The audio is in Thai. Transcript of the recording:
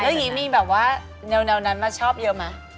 แล้วยังงี้มีแบบว่าแนวนั้นมาชอบเยอะมั้ย